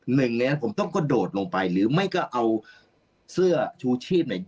หนึ่งเนี้ยผมต้องกระโดดลงไปหรือไม่ก็เอาเสื้อชูชีพเนี่ย